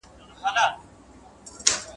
پړ هم زه سوم مړ هم زه سوم !.